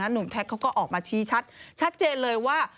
แท็กเขาก็ออกมาชี้ชัดชัดเจนเลยว่า